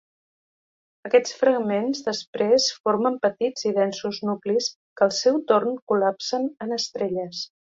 Aquests fragments després formen petits i densos nuclis, que al seu torn col·lapsen en estrelles.